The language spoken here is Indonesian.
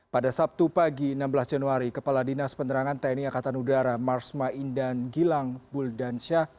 pada sabtu pagi enam belas januari kepala dinas penerangan tni angkatan udara marsma indan gilang buldansyah